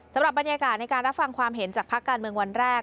สำหรับบรรยากาศในการรับฟังความเห็นจากภาคการเมืองวันแรก